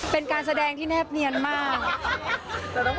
เป็นการแสดงที่แนบเนียนมาก